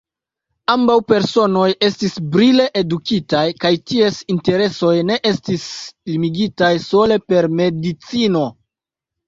Ambaŭ personoj estis brile edukitaj kaj ties interesoj ne estis limigitaj sole per medicino.